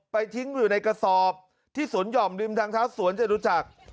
ทิ้งอยู่ในกระสอบที่สวนห่อมริมทางเท้าสวนจรุจักร